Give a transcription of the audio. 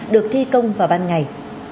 được thi công vào ban ngày